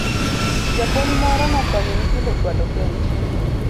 Japuonj moro nokonyo nyithindo kwalo penj